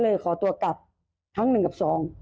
ก็เลยขอตัวกลับทั้ง๑กับ๒